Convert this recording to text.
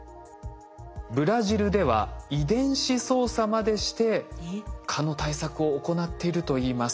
ブラジルでは遺伝子操作までして蚊の対策を行っているといいます。